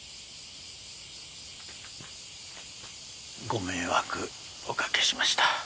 ご迷惑おかけしました。